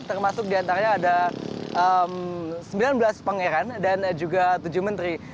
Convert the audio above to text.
termasuk diantaranya ada sembilan belas pangeran dan juga tujuh menteri